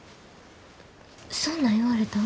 そんなん言われたん？